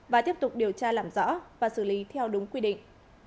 và tiếp tục điều tra làm rõ và xử lý theo đúng quy định